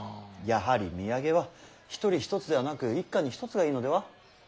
やはり土産は一人一つではなく一家に一つがいいのでは？